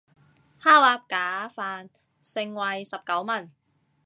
烤鴨架飯，盛惠十九文